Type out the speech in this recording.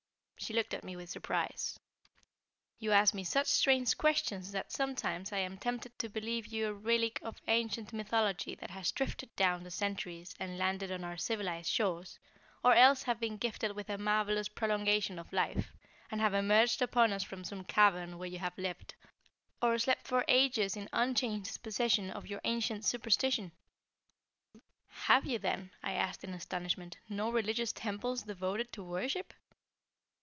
She looked at me with surprise. "You ask me such strange questions that sometimes I am tempted to believe you a relic of ancient mythology that has drifted down the centuries and landed on our civilized shores, or else have been gifted with a marvelous prolongation of life, and have emerged upon us from some cavern where you have lived, or slept for ages in unchanged possession of your ancient superstition." "Have you, then," I asked in astonishment, "no religious temples devoted to worship?"